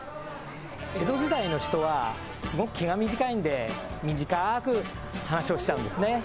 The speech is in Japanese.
江戸時代の人はすごく気が短いので、短く話をしちゃうんですね。